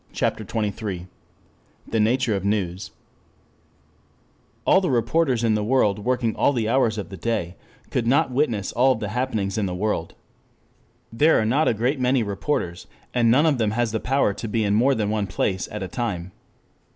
CHAPTER XXIII THE NATURE OF NEWS 1 ALL the reporters in the world working all the hours of the day could not witness all the happenings in the world. There are not a great many reporters. And none of them has the power to be in more than one place at a time.